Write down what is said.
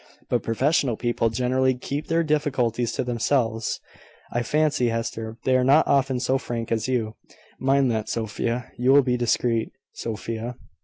But professional people generally keep their difficulties to themselves, I fancy, Hester: they are not often so frank as you. Mind that, Sophia. You will be discreet, Sophia."